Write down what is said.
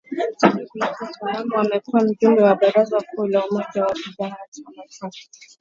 zaidi kuliko utaalamu Amekuwa Mjumbe wa Baraza Kuu la Umoja wa vijana chama cha